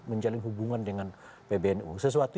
menjalin hubungan dengan pbnu sesuatu